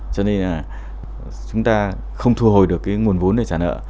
cho nên là chúng ta không thu hồi được cái nguồn vốn để trả nợ